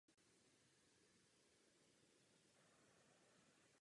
Směl si vzít jen to nejnutnější.